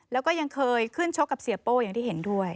แล้วก็ยังเคยขึ้นชกกับเสียโป้อย่างที่เห็นด้วย